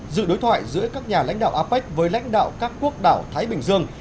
dự đối thoại giữa các nhà lãnh đạo apec với lãnh đạo các quốc đảo thái bình dương